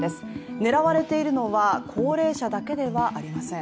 狙われているのは高齢者だけではありません。